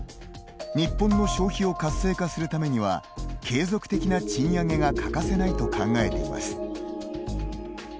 日本の消費を活性化するためには継続的な賃上げが欠かせないと考えています。